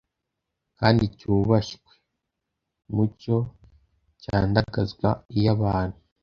kandi cyubashywe : m cyo cyandagazwa iyo abantu